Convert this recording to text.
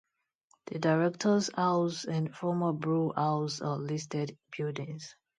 The Director's House and former Brew House are listed buildings.